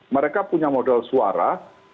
mereka punya modal suara